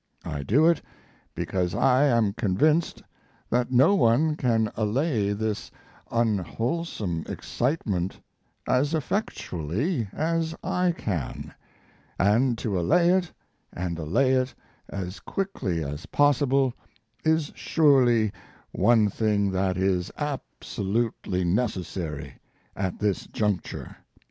I do it because I am convinced that no one can allay this unwholesome excitement as effectually as I can, and to allay it, and allay it as quickly as possible, is surely one thing that is absolutely necessary at this juncture.